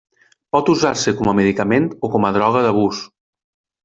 Pot usar-se com a medicament o com a droga d'abús.